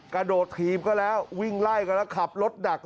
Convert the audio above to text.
กระโดดถีบก็แล้ววิ่งไล่กันแล้วขับรถดัก